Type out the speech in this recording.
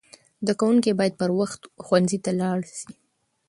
زده کوونکي باید پر وخت ښوونځي ته لاړ سي.